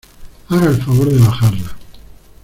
haga el favor de bajarla.